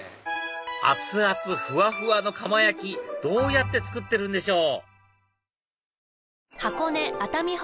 熱々ふわふわの釜焼どうやって作ってるんでしょう？